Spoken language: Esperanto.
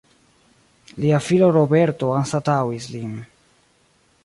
Lia filo Roberto anstataŭis lin.